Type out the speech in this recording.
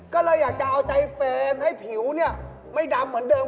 ก็เลยอยากจะเอาใจแฟนให้ผิวเนี่ยไม่ดำเหมือนเดิม